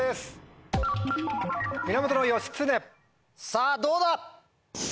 さぁどうだ？